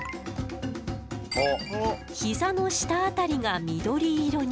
膝の下辺りが緑色に。